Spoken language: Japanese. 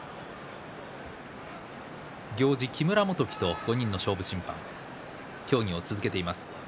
行司木村元基と５人の勝負審判が協議を続けています。